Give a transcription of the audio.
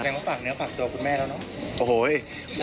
ว่าฝากเนื้อฝากตัวคุณแม่แล้วเนอะ